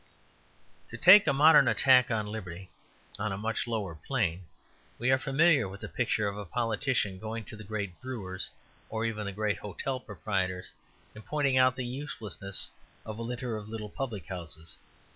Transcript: To take a modern attack on liberty, on a much lower plane, we are familiar with the picture of a politician going to the great brewers, or even the great hotel proprietors, and pointing out the uselessness of a litter of little public houses.